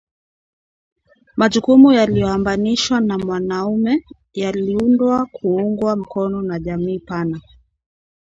majukumu yaliyoambanishwa na mwanamume yaliundwa kuungwa mkono na jamii pana